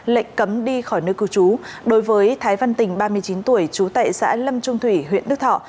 lệnh cấm đi khỏi nơi cứu chú đối với thái văn tình ba mươi chín tuổi chú tại xã lâm trung thủy huyện đức thọ